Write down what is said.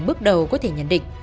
bước đầu có thể nhận định